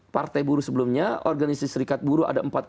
partai buruh sebelumnya organisasi serikat buruh kanan banan nah ini